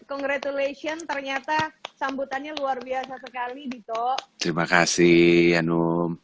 kongretulasi yang ternyata sambutannya luar biasa sekali dito terima kasih anu